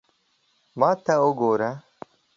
ما ته وګوره